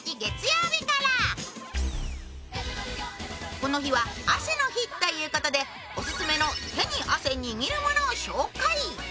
この日は汗の日ということでオススメの手に汗握るものを紹介。